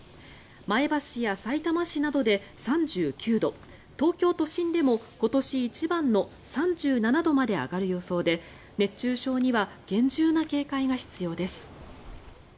前橋やさいたま市などで３９度東京都心でも今年一番の３７度まで上がる予想で熱中症には厳重な警戒が必要です。